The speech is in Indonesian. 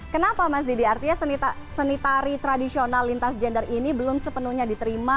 kenapa mas didi artinya seni tari tradisional lintas gender ini belum sepenuhnya diterima